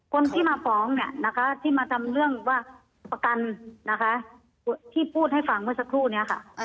คนที่มาฟ้องเนี่ยนะคะที่มาทำเรื่องว่าประกันนะคะที่พูดให้ฟังเมื่อสักครู่นี้ค่ะ